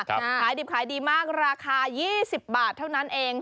ขายดิบขายดีมากราคา๒๐บาทเท่านั้นเอง